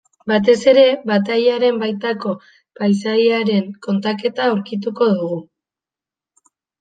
Batez ere batailaren baitako paisaiaren kontaketa aurkituko dugu.